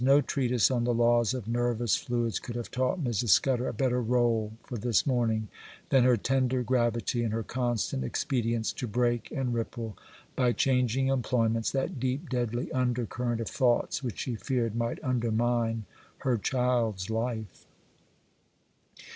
No treatise on the laws of nervous fluids could have taught Mrs. Scudder a better rôle for this morning, than her tender gravity, and her constant expedients to break and ripple, by changing employments, that deep, deadly under current of thoughts which she feared might undermine her child's life.